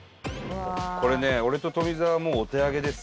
これね俺と富澤はもうお手上げです。